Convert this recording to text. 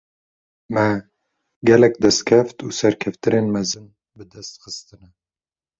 Me, gelek destkeft û serkeftinên mezin bi dest xistine